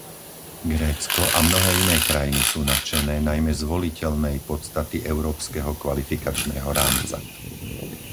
Grécko a mnohé iné krajiny sú nadšené najmä z voliteľnej podstaty európskeho kvalifikačného rámca.